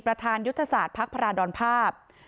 อประทานยุทธศาสน์ภปราดรณภาพ